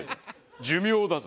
寿命だぞ？